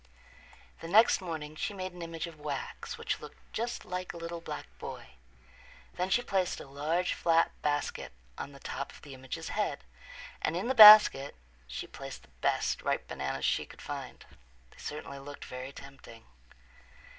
The next morning she made an image of wax which looked just like a little black boy. Then she placed a large flat basket on the top of the image's head and in the basket she placed the best ripe bananas she could find. They certainly looked very tempting.